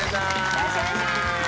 よろしくお願いします！